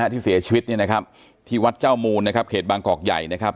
ที่เสียชีวิตเนี่ยนะครับที่วัดเจ้ามูลนะครับเขตบางกอกใหญ่นะครับ